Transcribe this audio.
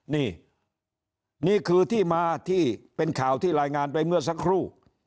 นี่นี่คือที่มาที่เป็นข่าวที่รายงานไปเมื่อสักครู่